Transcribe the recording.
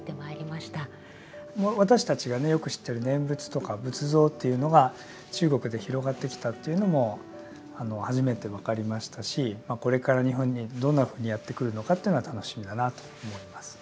私たちがよく知っている念仏とか仏像というのが中国で広がってきたというのも初めて分かりましたしこれから日本にどんなふうにやって来るのかというのが楽しみだなと思います。